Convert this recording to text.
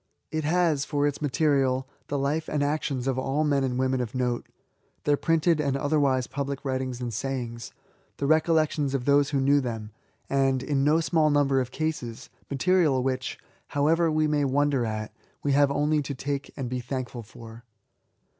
It has, for its material^ the life and actions of all men and women of note ;— their printed and otherwise public writings and sayings ;— the recollections of those who knew them ; and^ in no small number of cases^ material which^ however we may wonder at; we have only to take and be thankful for.